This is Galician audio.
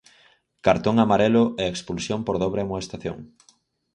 Cartón amarelo e expulsión por dobre amoestación.